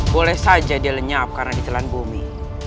boleh saja dia lenyap karena ditelan bumi